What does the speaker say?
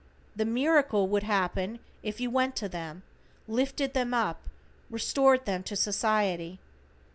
The miracle would happen if you went to them, lifted them up, restored them to society.